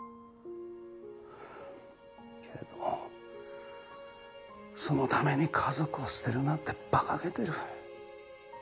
けどそのために家族を捨てるなんて馬鹿げてる。